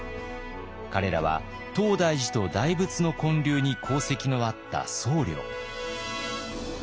彼らは東大寺と大仏の建立に功績のあった僧侶。